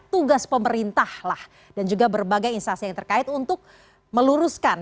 tugas pemerintah lah dan juga berbagai instansi yang terkait untuk meluruskan